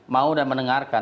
mau dan mendengarkan